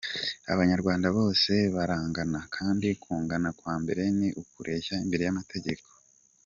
Abanyarwanda bose barangana kandi kungana kwa mbere ni ukureshya imbere y’amategeko.